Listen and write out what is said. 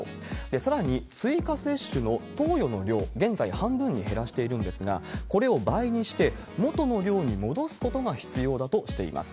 さらに、追加接種の投与の量、現在、半分に減らしているんですが、これを倍にして、元の量に戻すことが必要だとしています。